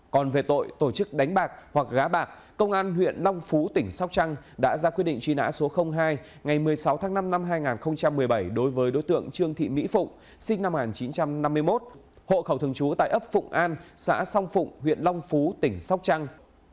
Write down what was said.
còn về tội tổ chức đánh bạc hoặc gá bạc công an huyện long phú tỉnh sóc trăng đã ra quyết định truy nã số hai ngày một mươi sáu tháng năm năm hai nghìn một mươi bảy đối với đối tượng trương thị mỹ phụng sinh năm một nghìn chín trăm năm mươi một hộ khẩu thường trú tại ấp phụng an xã song phụng huyện long phú tỉnh sóc trăng